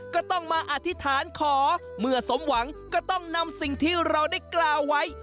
ก็ต้องมาอธิษฐานขอเมื่อสมหวังก็ต้องนำสิ่งที่เราได้กล่าวไว้